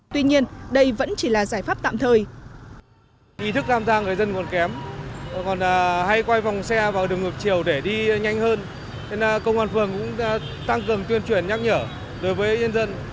tuy nhiên đây vẫn chỉ là giải pháp tạm thời